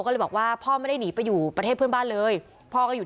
ก็เลยบอกว่าพ่อไม่ได้หนีไปอยู่ประเทศเพื่อนบ้านเลยพ่อก็อยู่